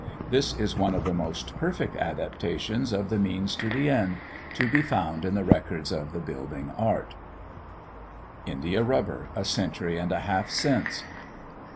This is one of the most perfect adaptations of the means to the end, to be found in the records of the building art. INDIA RUBBER, A CENTURY AND A HALF SINCE.